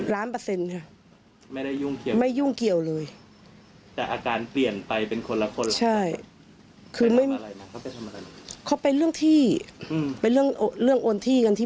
แล้วขอโทษนะเรื่องยาเศษเรื่องอะไร